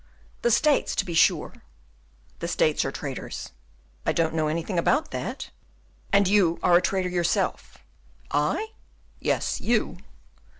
"The States, to be sure!" "The States are traitors." "I don't know anything about that!" "And you are a traitor yourself!" "I?" "Yes, you."